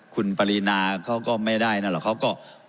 คุณปรีนาเขาก็ไม่ได้นั่นหรอก